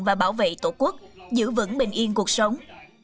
và bảo vệ tổ quốc giữ vững bình yên cuộc sống